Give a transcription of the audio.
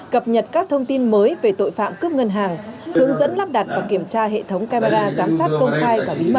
cập nhật các thông tin mới về tội phạm cướp ngân hàng hướng dẫn lắp đặt và kiểm tra hệ thống camera giám sát công khai